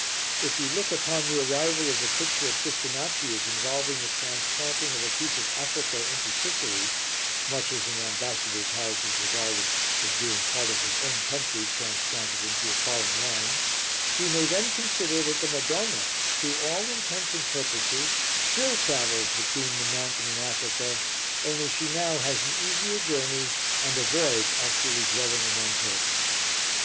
If we look upon the arrival of the picture at Custonaci as involving the transplanting of a piece of Africa into Sicily, much as an ambassador's house is regarded as being part of his own country transplanted into a foreign land, we may then consider that the Madonna, to all intents and purposes, still travels between the Mountain and Africa, only she now has an easier journey and avoids actually dwelling among heretics.